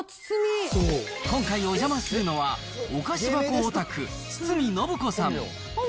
今回お邪魔するのはお菓子箱オタク、堤信子さん。